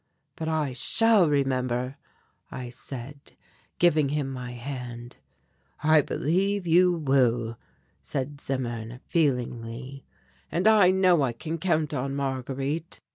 "But I shall remember," I said, giving him my hand. "I believe you will," said Zimmern feelingly, "and I know I can count on Marguerite.